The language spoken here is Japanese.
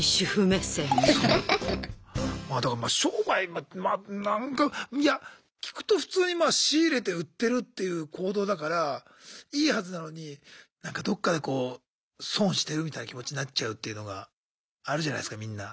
まあだから商売いや聞くと普通にまあ仕入れて売ってるっていう行動だからいいはずなのになんかどっかでこう損してるみたいな気持ちになっちゃうっていうのがあるじゃないすかみんな。